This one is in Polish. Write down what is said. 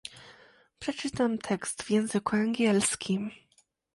Przeczytam tekst w języku angielskim